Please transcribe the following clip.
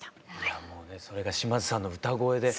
いやもうねそれが島津さんの歌声で。